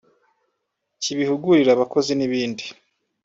kibihugurira abakozi n’ibindi